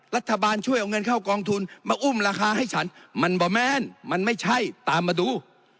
รัฐบาลช่วยเอาเงินเข้ากองทุนมาอุ้มราคาให้ฉันมันบอร์แมนมันไม่ใช่ตามมาดู